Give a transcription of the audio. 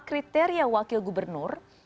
kriteria wakil gubernur